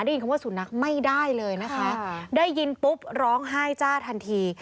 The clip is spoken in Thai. ได้ยินคำว่าสุนัขไม่ได้เลยนะคะได้ยินปุ๊บร้องไห้จ้าทันที